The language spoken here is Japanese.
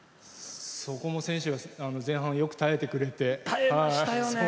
選手が前半よく耐えてくれて。